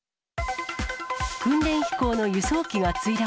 訓練飛行の輸送機が墜落。